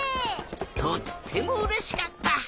とってもうれしかった！